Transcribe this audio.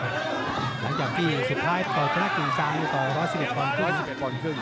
หลังจากที่สุดท้ายต่อกรณกีศาลต่อ๑๑๑ปอนด์ครึ่ง